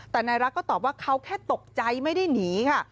แต่นายรักก็ตอบว่าเขาแค่ตกใจไม่ได้หนีค่ะ